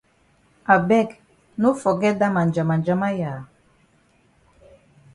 I beg no forget dat ma njamanjama ya.